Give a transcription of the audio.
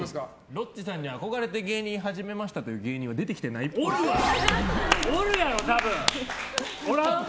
ロッチさんに憧れて芸人始めましたという芸人はおるやろ多分！